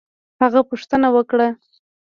هغه پوښتنه وکړه